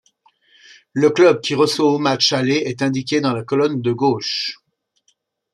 Le club qui reçoit au match aller est indiqué dans la colonne de gauche.